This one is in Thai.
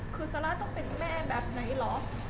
คือซาร่าต้องเป็นแม่แบบไหนเหรอ